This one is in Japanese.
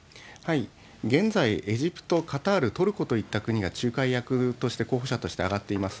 現在、エジプト、カタール、トルコといった国が仲介役として、候補者として挙がっています。